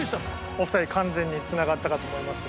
お二人完全につながったかと思いますが。